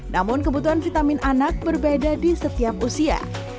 namun kebutuhan vitamin anak berbeda di setiap usia